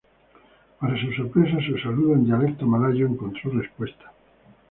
Para su sorpresa, su saludo en dialecto malayo encontró respuesta.